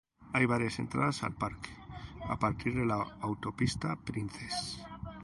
Hay varias entradas al parque a partir de la Autopista Princess.